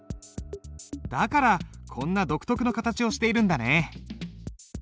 だからこんな独特の形をしているんだね。